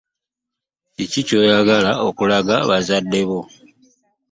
Kiki ky'oyagala okulaga bazadde bo?